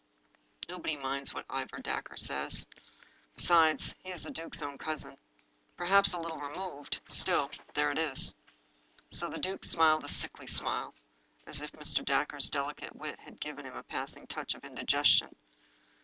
Nobody minds what Ivor Dacre says. Besides, he is the duke's own cousin. Perhaps a little removed ; still, there it is. So the duke smiled a sickly smile, as if Mr. Dacre's delicate wit had given him a passing touch of indigestion.